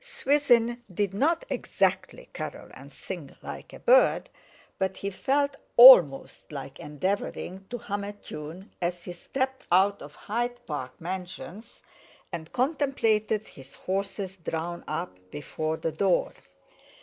Swithin did not exactly carol and sing like a bird, but he felt almost like endeavouring to hum a tune, as he stepped out of Hyde Park Mansions, and contemplated his horses drawn up before the door.